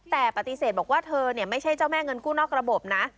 แต่ปฏิเสธบอกว่าเธอไม่ใช่เจ้าแม่เงินกู้นอกระบบนะ